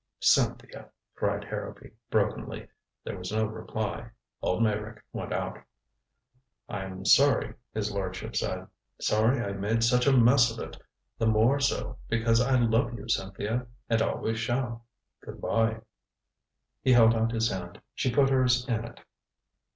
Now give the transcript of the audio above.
"Cynthia," cried Harrowby brokenly. There was no reply. Old Meyrick went out. "I'm sorry," his lordship said. "Sorry I made such a mess of it the more so because I love you, Cynthia and always shall. Good by." He held out his hand. She put hers in it.